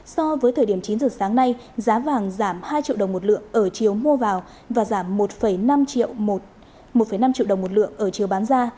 so với thời điểm chín giờ sáng nay giá vàng giảm hai triệu đồng một lượng ở chiều mua vào và giảm một năm triệu đồng một lượng ở chiều bán ra